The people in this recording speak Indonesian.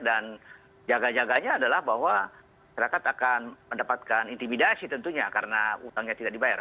dan jaga jaganya adalah bahwa masyarakat akan mendapatkan intimidasi tentunya karena hutangnya tidak dibayar